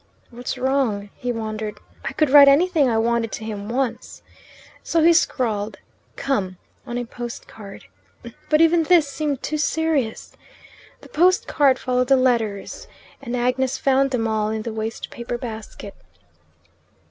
"What's wrong?" he wondered. "I could write anything I wanted to him once." So he scrawled "Come!" on a post card. But even this seemed too serious. The post card followed the letters, and Agnes found them all in the waste paper basket.